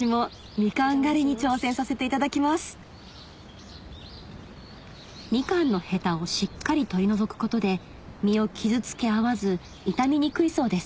みかんのヘタをしっかり取り除くことで実を傷つけ合わず傷みにくいそうです